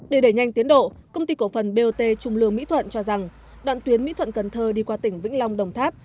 để đẩy nhanh tiến độ công ty cổ phần bot trung lương mỹ thuận cho rằng đoạn tuyến mỹ thuận cần thơ đi qua tỉnh vĩnh long đồng tháp